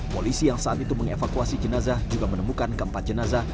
polisi yang saat itu mengevakuasi jenazah juga menemukan keempat jenazah